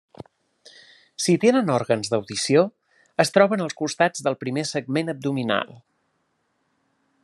Si tenen òrgans d'audició, es troben als costats del primer segment abdominal.